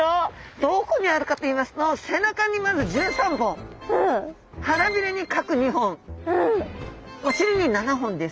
どこにあるかといいますと背中にまず１３本腹びれに各２本お臀に７本です。